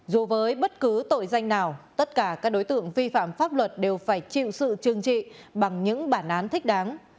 dù với bất cứ tội danh nào tất cả các đối tượng vi phạm pháp luật đều phải chịu sự trừng trị bằng những bản án thích đáng